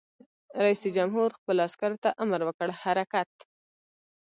رئیس جمهور خپلو عسکرو ته امر وکړ؛ حرکت!